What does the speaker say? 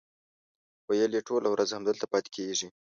ویل یې ټوله ورځ همدلته پاتې کېږي.